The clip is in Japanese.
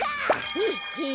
ヘッヘ。